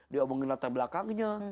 diomongin latar belakangnya